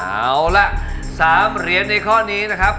เอาละ๓เหรียญในข้อนี้นะครับ